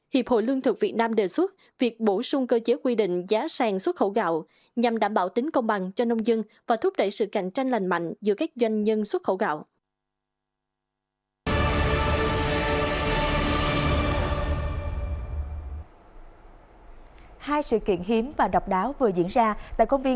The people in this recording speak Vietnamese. hiệp hội lương thực việt nam đề xuất việc bổ sung cơ chế quy định giá sàng xuất khẩu gạo nhằm đảm bảo tính công bằng cho nông dân và thúc đẩy sự cạnh tranh lành mạnh giữa các doanh nhân xuất khẩu gạo